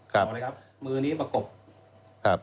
ครับมือนี้มากบ